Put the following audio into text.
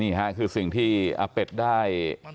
นี่คือสิ่งที่อำเบ็จได้